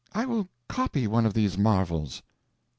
I will copy one of these marvels."